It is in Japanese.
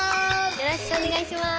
よろしくお願いします。